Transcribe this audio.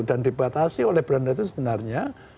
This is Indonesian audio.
dan dibatasi oleh belanda itu sebenarnya